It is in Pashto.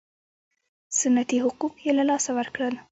سنتي حقوق یې له لاسه ورکړل.